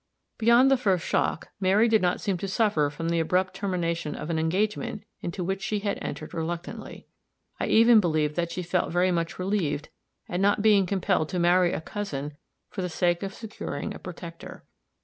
Beyond the first shock, Mary did not seem to suffer from the abrupt termination of an engagement into which she had entered reluctantly. I even believed that she felt very much relieved at not being compelled to marry a cousin for the sake of securing a protector.